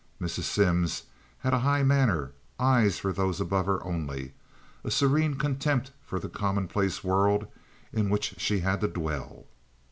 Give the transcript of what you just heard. Mrs. Simms had a high manner, eyes for those above her only, a serene contempt for the commonplace world in which she had to dwell.